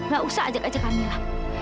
gak usah ajak ajak kamila